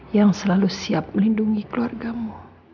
yang selalu siap melindungi keluargamu